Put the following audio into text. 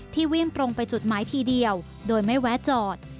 วิ่งตรงไปจุดหมายทีเดียวโดยไม่แวะจอด